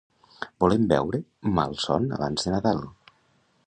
Volem veure "Malson abans de Nadal".